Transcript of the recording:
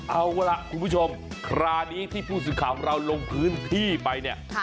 เอาล่ะคุณผู้ชมคราวนี้ที่ผู้สื่อข่าวของเราลงพื้นที่ไปเนี่ย